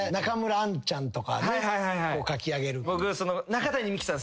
僕中谷美紀さん